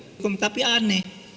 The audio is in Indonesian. hukum tapi aneh